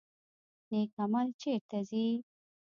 نیک عمل چیرته ځي؟